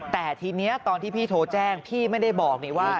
แต่ทีนี้ตอนที่พี่โทรแจ้งพี่ไม่ได้บอกนี่ว่า